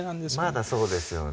まだそうですよね